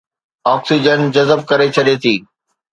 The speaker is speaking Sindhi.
آڪسيجن جذب ڪري ڇڏي ٿي